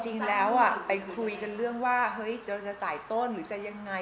จริงแล้วไปคุยกันเรื่องว่าเฮ้ยจะจ่ายต้นหรือจะยังไง